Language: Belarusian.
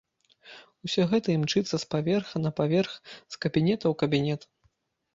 Усё гэта імчыцца з паверха на паверх, з кабінета ў кабінет.